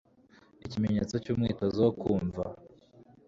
Ikimenyetso cy'umwitozo wo kumva.